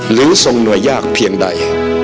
หรือทรงหน่วยยากเพียงใด